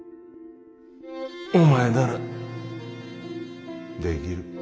お前ならできる。